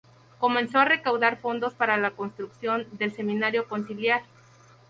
Comenzó a recaudar fondos para la construcción del Seminario Conciliar.